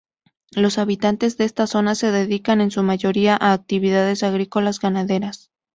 Los habitantes de esta zona se dedican en su mayoría a actividades agrícolas ganaderas.